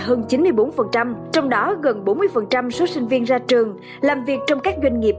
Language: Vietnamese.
hơn chín mươi bốn trong đó gần bốn mươi số sinh viên ra trường làm việc trong các doanh nghiệp